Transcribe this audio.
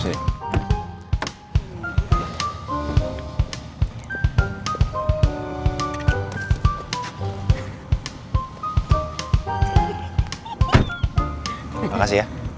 terima kasih ya